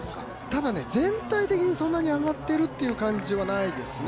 ただ、全体的にそんなに上がってるって感じではないですね。